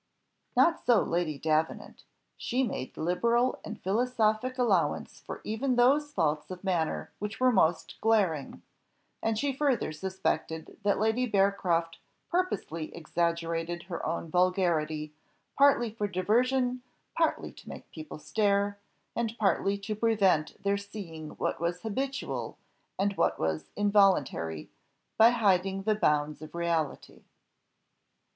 Not so Lady Davenant: she made liberal and philosophic allowance for even those faults of manner which were most glaring, and she further suspected that Lady Bearcroft purposely exaggerated her own vulgarity, partly for diversion, partly to make people stare, and partly to prevent their seeing what was habitual, and what involuntary, by hiding the bounds of reality.